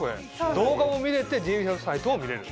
動画も見れて人力舎のサイトも見れる。